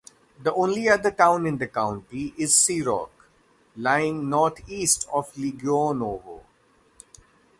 The only other town in the county is Serock, lying north-east of Legionowo.